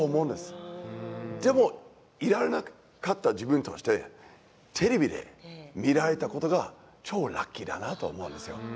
でもいられなかった自分としてテレビで見られたことが超ラッキーだなと思うんですよ。